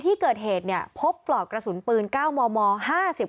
ที่เกิดเหตุเนี่ยพบปลอกกระสุนปืนเก้ามอมอห้าสิบ